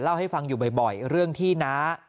เล่าให้ฟังอยู่บ่อยเรื่องที่น้า